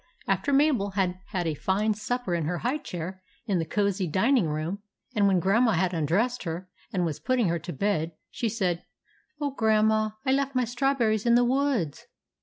After Mabel had had a fine supper in her high chair in the cosy dining room, and when Grandma had undressed her and was putting her to bed, she said :—" Oh, Grandma, I left my strawberries in the woods